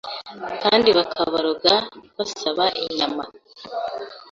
kandi bakaboroga basaba inyama.